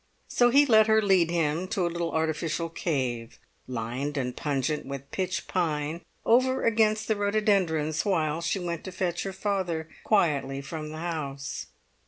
So he let her lead him to a little artificial cave, lined and pungent with pitch pine, over against the rhododendrons, while she went to fetch her father quietly from the house.